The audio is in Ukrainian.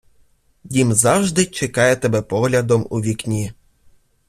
Дім завжди чекає тебе поглядом у вікні